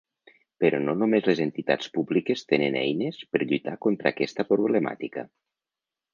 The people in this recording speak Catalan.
Però no només les entitats públiques tenen eines per lluitar contra aquesta problemàtica.